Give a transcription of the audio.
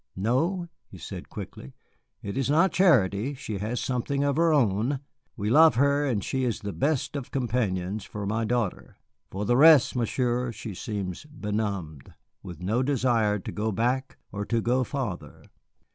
No," he said quickly, "it is not charity, she has something of her own. We love her, and she is the best of companions for my daughter. For the rest, Monsieur, she seems benumbed, with no desire to go back or to go farther."